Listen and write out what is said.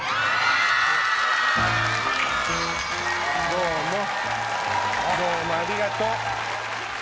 どうもありがとう。